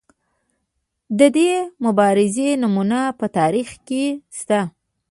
د دې مبارزې نمونې په تاریخ کې شته.